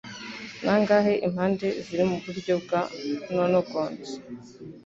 Nangahe Impande Ziri Muburyo bwa Nonogons